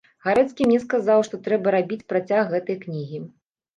Гарэцкі мне сказаў, што трэба рабіць працяг гэтай кнігі.